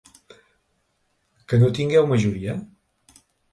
Que no tingueu majoria?.